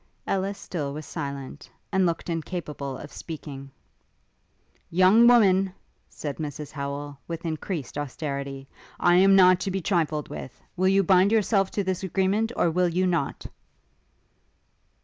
Ellis still was silent, and looked incapable of speaking. 'Young woman,' said Mrs Howel, with increased austerity, 'I am not to be trifled with. Will you bind yourself to this agreement, or will you not?'